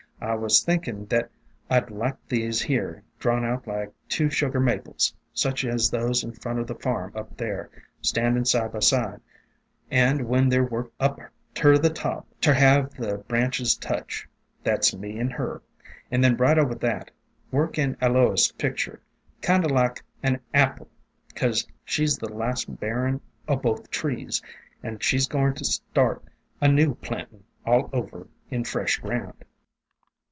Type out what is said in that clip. I was thinkin' thet I 'd like these here drawn out like two Sugar Maples, such as those in front o' the farm up there, standin' side by side, and when they 're worked up ter the top, ter have the branches touch. That 's me and her, and then right over that, work in A lois' picture, kind o' like an Apple, 'cause she 's the last bearin' o' both trees, and she 's goin' ter star,t a new plantin' all over in fresh ground."